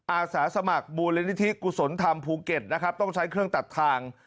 อาสาสมัครมูลนิธิกุศลธรรมภูเก็ตนะครับต้องใช้เครื่องตัดทาง